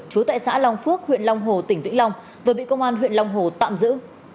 chú tại xã long phước huyện long hồ tỉnh vĩnh long vừa bị công an huyện long hồ tạm giữ